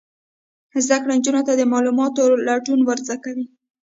زده کړه نجونو ته د معلوماتو لټون ور زده کوي.